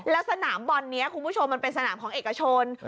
แล้วสนามบอลนี้คุณผู้ชมมันเป็นสนามของเอกชน